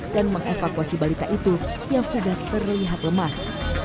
dan mengevakuasi balita itu yang sudah terlihat lemas